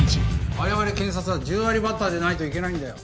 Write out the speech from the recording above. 我々検察は１０割バッターでないといけないんだよ。